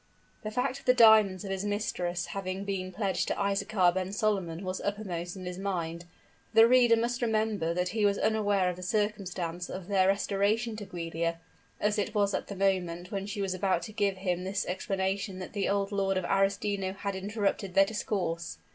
The fact of the diamonds of his mistress having been pledged to Isaachar ben Solomon was uppermost in his mind: for the reader must remember that he was unaware of the circumstance of their restoration to Giulia as it was at the moment when she was about to give him this explanation that the old Lord of Arestino had interrupted their discourse.